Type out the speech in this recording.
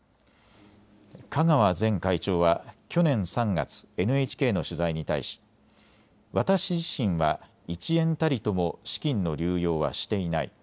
香川前会長は去年３月、ＮＨＫの取材に対し私自身は１円たりとも資金の流用はしていない。